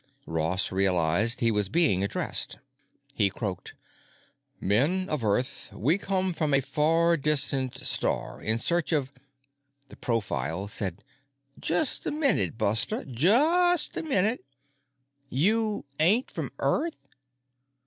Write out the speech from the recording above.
Ross realized he was being addressed. He croaked: "Men of Earth, we come from a far distant star in search of——" The profile said, "Just a minute, Buster. Just a minute. You ain't from Earth?"